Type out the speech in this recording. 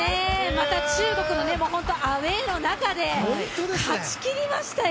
また中国のアウェーの中で勝ちきりましたよ。